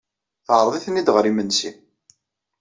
Teɛreḍ-iten-id ɣer yimensi.